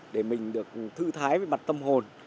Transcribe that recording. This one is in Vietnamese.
để mình được thư thái với mặt tâm hồn